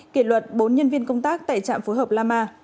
kỳ luật bốn nhân viên công tác tại trạm phối hợp lama